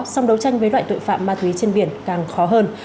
song đấu tranh với loại tội phạm ma túy trên biển càng khó hơn